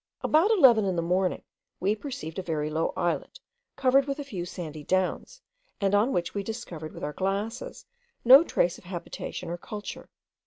About eleven in the morning we perceived a very low islet, covered with a few sandy downs, and on which we discovered with our glasses no trace of habitation or culture.